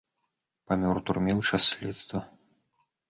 Памёр у турме ў час следства.